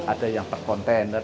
ada yang per kontainer